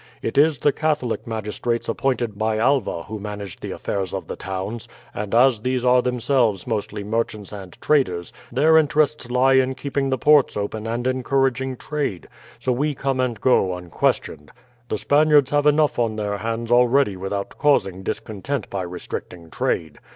It is the Catholic magistrates appointed by Alva who manage the affairs of the towns, and as these are themselves mostly merchants and traders their interests lie in keeping the ports open and encouraging trade, so we come and go unquestioned. The Spaniards have enough on their hands already without causing discontent by restricting trade.